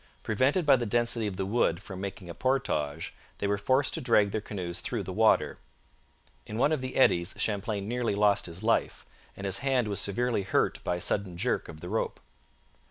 Prevented by the density of the wood from making a portage, they were forced to drag their canoes through the water. In one of the eddies Champlain nearly lost his life, and his hand was severely hurt by a sudden jerk of the rope.